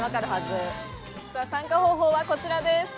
参加方法はこちらです。